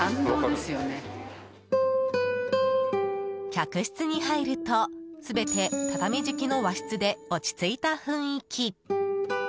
客室に入ると全て畳敷きの和室で落ち着いた雰囲気。